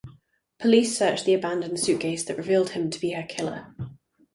Police searched the abandoned suitcase that revealed him to be her killer.